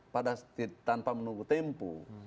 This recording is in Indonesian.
pada tanpa menunggu tempuh